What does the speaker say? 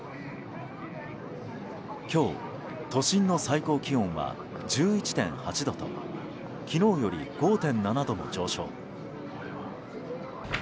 今日、都心の最高気温は１１．８度と昨日より５．７度も上昇。